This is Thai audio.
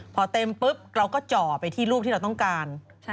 พอเต็มปุ๊บเราก็จ่อไปที่รูปที่เราต้องการ